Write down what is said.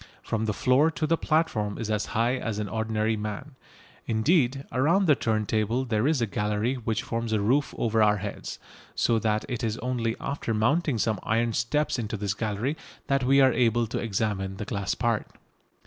From the floor to the platform is as high as an ordinary man. Indeed around the turntable there is a gallery which forms a roof over our heads, so that it is only after mounting some iron steps on to this gallery that we are able to examine the glass part.